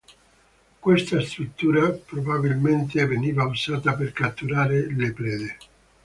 Questa struttura, probabilmente, veniva usata per catturare le prede.